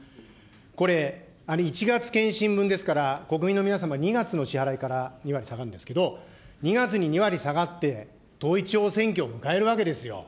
これ、１月検針分ですから、国民の皆様、２月の支払いから２割下がるんですけど、２月に２割下がって統一地方選挙を迎えるわけですよ。